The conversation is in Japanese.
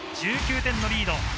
１９点のリード。